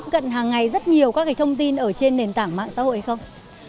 và ngay rất nhiều các cái thông tin ở trên nền tảng mạng xã hội không